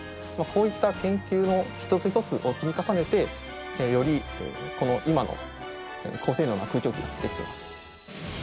こういった研究の一つ一つを積み重ねてよりこの今の高性能な空調機が出来てます。